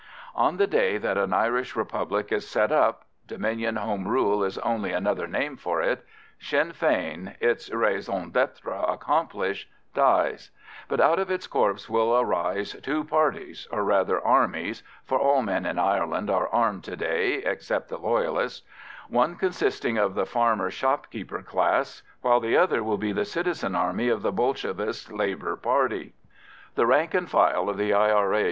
On the day that an Irish Republic is set up (Dominion Home Rule is only another name for it), Sinn Fein, its raison d'être accomplished, dies; but out of its corpse will arise two parties, or rather armies (for all men in Ireland are armed to day except the Loyalists), one consisting of the farmer shopkeeper class, while the other will be the Citizen Army of the Bolshevist Labour Party. The rank and file of the I.R.A.